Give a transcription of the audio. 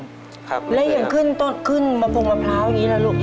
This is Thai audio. ครับแล้วอย่างขึ้นต้นขึ้นมะพงมะพร้าวอย่างนี้ล่ะลูก